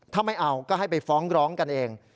ถ้าไม่เอาก็ให้ไปฟ้องร้องกันเอง